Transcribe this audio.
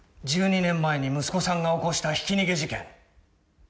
１２年前に息子さんが起こしたひき逃げ事件